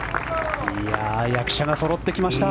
役者がそろってきました。